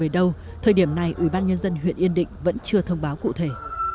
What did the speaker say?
và về đâu thời điểm này ủy ban nhân dân huyện yên định vẫn chưa thông báo cụ thể